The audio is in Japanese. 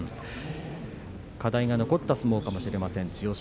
課題が残った相撲かもしれません千代翔